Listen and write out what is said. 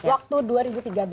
apa aja itu mbak